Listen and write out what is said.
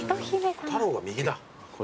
太郎は右だ。